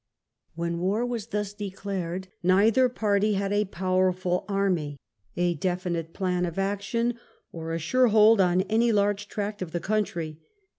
When war was thus declared neither party had a power Division of ful army, a definite plan of action, or a sure England. }^^^ q^ ^^^ ja.rge tract of the country.